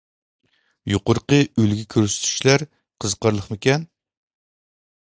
يۇقىرىقى ئۈلگە كۆرسىتىشلەر قىزىقارلىقمىكەن؟